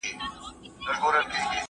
ځان باور په تکرار سره لوړېږي.